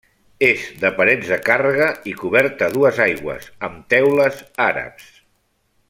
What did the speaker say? És de parets de càrrega i coberta a dues aigües, amb teules àrabs.